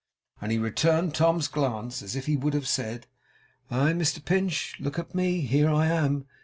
And he returned Tom's glance, as if he would have said, 'Aye, Mr Pinch, look at me! Here I am!